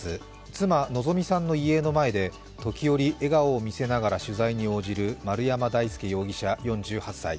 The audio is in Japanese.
妻・希美さんの遺影の前で時折笑顔を見せながら取材に応じる丸山大輔容疑者４８歳。